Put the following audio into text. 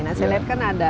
nah saya lihat kan ada